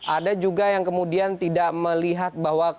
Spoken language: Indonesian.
ada juga yang kemudian tidak melihat bahwa